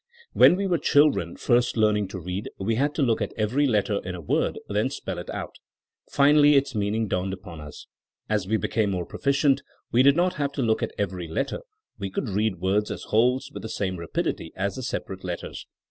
... When we were children first learning to read we had to look at every letter in a word, then spell it out. Finally its meaning dawned upon us. As we became more proficient we did not have to look at every letter; we could read words as wholes with the same rapidity as the separate letters.